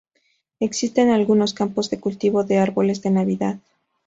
Existen algunos campos de cultivo de árboles de Navidad.